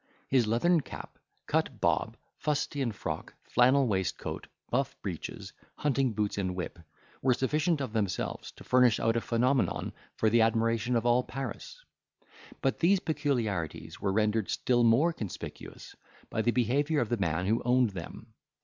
His leathern cap, cut bob, fustian frock, flannel waistcoat, buff breeches, hunting boots and whip, were sufficient of themselves to furnish out a phenomenon for the admiration of all Paris. But these peculiarities were rendered still more conspicuous by the behaviour of the man who owned them.